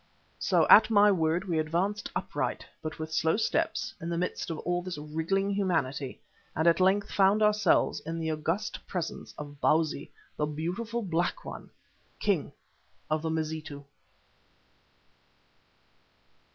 So at my word we advanced upright, but with slow steps, in the midst of all this wriggling humanity and at length found ourselves in the august presence of Bausi, "the Beautiful Black One," King of the Mazitu.